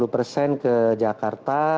lima puluh persen ke jakarta